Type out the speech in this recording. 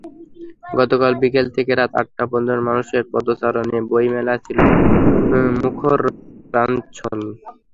গতকাল বিকেল থেকে রাত আটটা পর্যন্ত মানুষের পদচারণে বইমেলা ছিল মুখর, প্রাণোচ্ছল।